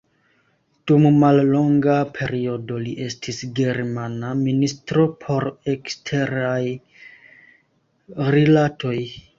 Dum mallonga periodo li estis germana ministro por Eksteraj Rilatoj.